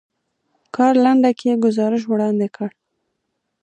کار لنډکی ګزارش وړاندې کړ.